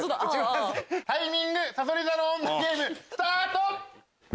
タイミングさそり座の女ゲームスタート！